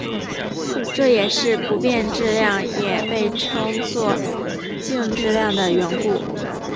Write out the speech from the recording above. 这也是不变质量也被称作静质量的缘故。